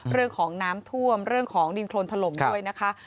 เรื่องของน้ำท่วมเรื่องของดินโครนถล่มด้วยนะคะ